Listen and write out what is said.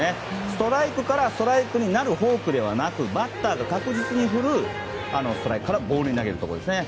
ストライクからストライクになるフォークではなくバッターが確実に振るストレートからボールに投げるところですね。